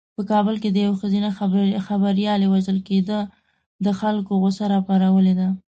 په کابل کې د یوې ښځینه خبریالې وژل کېدو د خلکو غوسه راپارولې ده.